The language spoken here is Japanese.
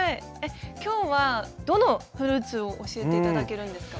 今日はどのフルーツを教えて頂けるんですか？